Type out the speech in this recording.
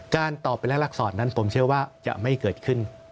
การตอบไปและรักษรนั้นผมเชื่อว่าจะไม่เกิดขึ้น